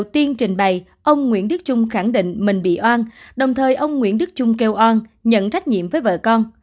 trên bày ông nguyễn đức trung khẳng định mình bị oan đồng thời ông nguyễn đức trung kêu oan nhận trách nhiệm với vợ con